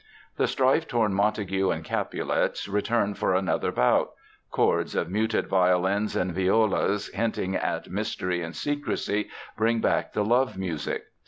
The strife torn Montagues and Capulets return for another bout. Chords of muted violins and violas hinting at mystery and secrecy bring back the love music.